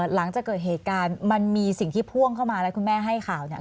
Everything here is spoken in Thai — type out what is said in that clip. หลังจากเกิดเหตุการณ์มันมีสิ่งที่พ่วงเข้ามาแล้วคุณแม่ให้ข่าวเนี่ย